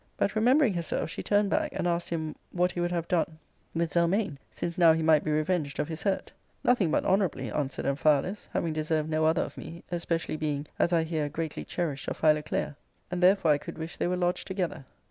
But, remembering herself, she turned back £U}d asked him what he would have done with 256 ARCADIA.' Book III. Zelmane, since now he might be revenged of his hurt " Nothing but honourably," answered Amphialus, " having deserved no other of me, especially being, as I hear, greatly cherished of Philoclea, and therefore I could wish they } were lodged together."